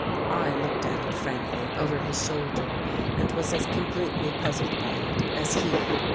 I looked at it frankly over his shoulder and was as completely puzzled by it as he.